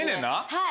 はい。